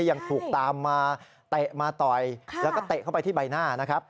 ยังถูกตามมาเตะมาต่อยแล้วก็เตะเข้าไปที่ใบหน้านะครับ